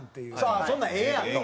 ああ「そんなんええやん」と。